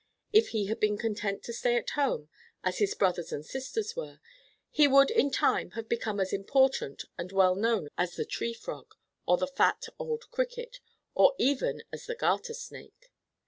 If he had been content to stay at home, as his brothers and sisters were, he would in time have become as important and well known as the Tree Frog, or the fat, old Cricket, or even as the Garter Snake.